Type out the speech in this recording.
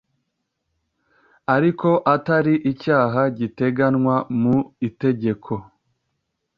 ariko atari icyaha giteganywa mu itegeko